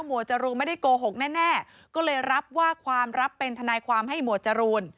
จรูนไม่ได้โกหกแน่ก็เลยรับว่าความรับเป็นทนายความให้หมวดจรูน